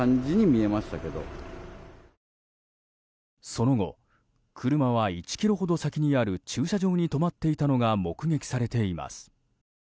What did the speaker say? その後、車は１ｋｍほど先にある駐車場に止まっていたのが目撃されています。